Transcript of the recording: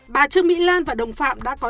bà trương mỹ lan và đồng phạm đã tìm hiểu